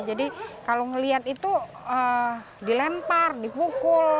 jadi kalau ngelihat itu dilempar dipukul